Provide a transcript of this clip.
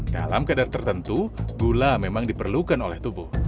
dalam kadar tertentu gula memang diperlukan oleh tubuh